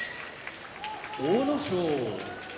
阿武咲